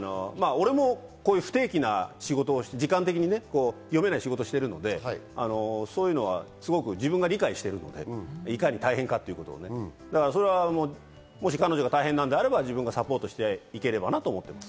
俺もこういう不定期な仕事、時間的に読めない仕事をしているので、そういうのは自分が理解しているので、いかに大変かということを彼女がもし大変なのであれば、自分がサポートしていければなと思います。